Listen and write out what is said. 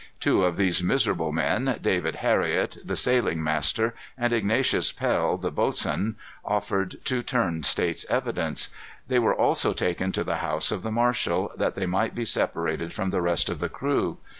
Two of these miserable men, David Hariot, the sailing master, and Ignatius Pell, the boatswain, offered to turn state's evidence. They were also taken to the house of the marshal, that they might be separated from the rest of the crew.